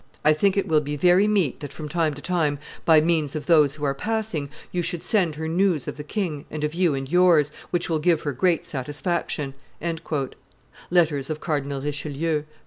I think it will be very meet that from time to time, by means of those who are passing, you should send her news of the king and of you and yours, which will give her great satisfaction " (Letters of Cardinal Richelieu, t.